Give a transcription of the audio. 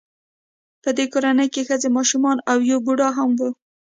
په دې کورنۍ کې ښځې ماشومان او یو بوډا هم و